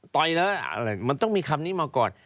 ต่อยแล้วมันต้องมีคำนี้มาก่อน